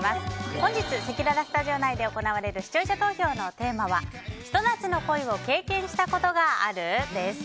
本日せきららスタジオ内で行われる視聴者投票のテーマはひと夏の恋を経験したことがある？です。